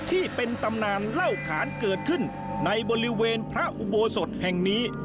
ที่เป็นตำนานเล่าขานเกิดขึ้นในบริเวณพระอุโบสถแห่งนี้